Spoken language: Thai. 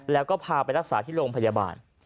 แล้วก็พาไปรักษาที่โรงพยาบาล